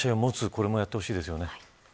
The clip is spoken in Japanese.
これもやってほしいですよね。